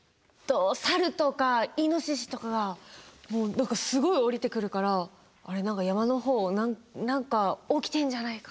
サルとかイノシシとかが何かすごい下りてくるから「あれ？山の方何か起きてんじゃないか」。